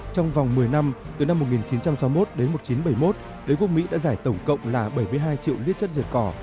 trong vòng một mươi năm từ năm một nghìn chín trăm sáu mươi một đến một nghìn chín trăm bảy mươi một đế quốc mỹ đã giải tổng cộng là bảy mươi hai triệu lít chất diệt cỏ